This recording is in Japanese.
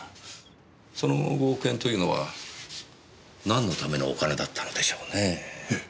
その５億円というのはなんのためのお金だったのでしょうねえ。